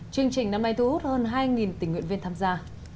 chương trình năm nay thu hút hơn hai tình nguyện viên tham gia